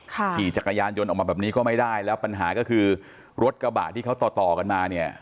ขี่จักรยานยนต์ออกมาแบบนี้ก็ไม่ได้แล้วปัญหาก็คือรถกระบะที่เขาต่อต่อกันมาเนี่ย